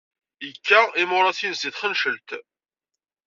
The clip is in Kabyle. Yekka imuras-nnes deg Txencelt.